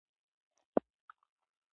خپل ماشوم ته ښه پالنه ورکوي.